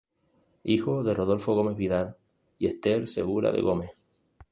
Hijo de Rodolfo Gomez Vidal y Esther Segura de Gómez.